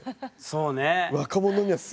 そうね。